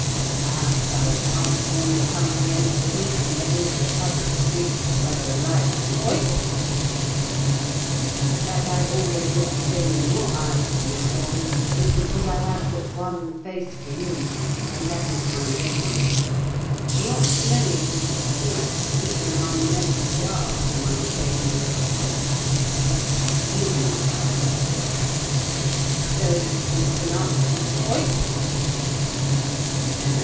"Perhaps I shan't, when we come to the end of the heath and get into the public street, where there are lights and people," he said. "That I always look the same in your eyes, Miss Lorne, is because I have but one face for you, and that is my real one. Not many people see it, even among the men of The Yard whom I occasionally work with. You do, however; so does Mr. Narkom, occasionally.